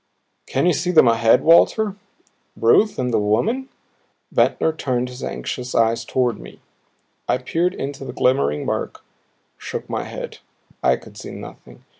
"Can you see them ahead, Walter Ruth and the woman?" Ventnor turned his anxious eyes toward me. I peered into the glimmering murk; shook my head. I could see nothing.